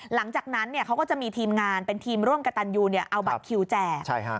หลังจากนั้นเขาก็จะมีทีมงานเป็นทีมร่วมกับตันยูเอาบัตรคิวแจก